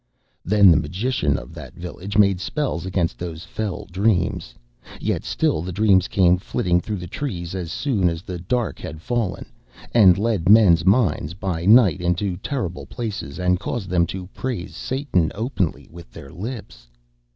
Then the magician of that village made spells against those fell dreams; yet still the dreams came flitting through the trees as soon as the dark had fallen, and led men's minds by night into terrible places and caused them to praise Satan openly with their lips.